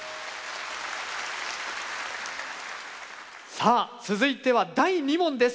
さあ続いては第２問です。